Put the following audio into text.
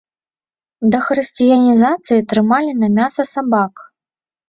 Да хрысціянізацыі трымалі на мяса сабак.